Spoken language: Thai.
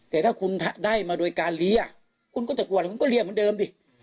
แต่ถ้าคุณได้มาโดยการเรียกคุณก็จะกวดคุณก็เรียนเหมือนเดิมดิ